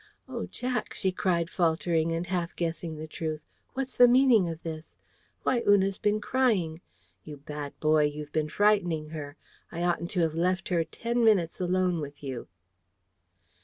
"Oh, Jack," she cried, faltering, and half guessing the truth, "what's the meaning of this? Why, Una's been crying. You bad boy, you've been frightening her. I oughtn't to have left her ten minutes alone with you!"